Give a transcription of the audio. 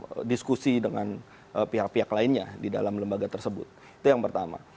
kita harus diskusi dengan pihak pihak lainnya di dalam lembaga tersebut itu yang pertama